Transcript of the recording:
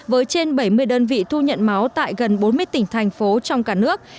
với trên bảy mươi đơn vị thu nhận máu tại gần bốn mươi tỉnh thành phố trong cả nước